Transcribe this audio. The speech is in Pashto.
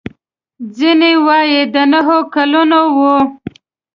ځینې وايي د نهو کلونو و.